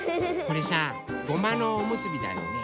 これさごまのおむすびだよね。